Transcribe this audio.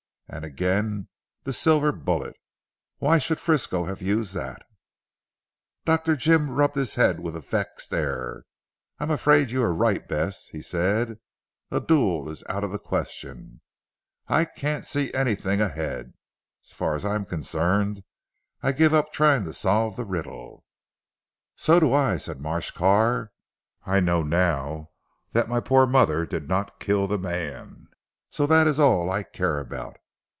And again the silver bullet. Why should Frisco have used that?" Dr. Jim rubbed his head with a vexed air. "I am afraid you are right Bess," he said, "a duel is out of the question. I can't see anything ahead. So far as I am concerned, I give up trying to solve the riddle." "So do I," said Marsh Carr, "I know now that my poor mother did not kill the man, so that is all I care about.